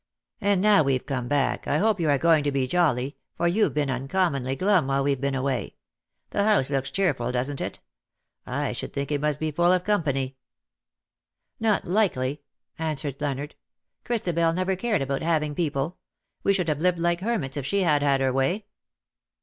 And now we've come back, I hope you are going to be jolly, for you've been uncommonly glum while weVe been away. The house looks cheerful, doesn't it ? I should think it must be full of company." ^^ Not likely,'^ answered Leonard. " Christabel never cared about having people. We should have lived like hermits if she had had her way.'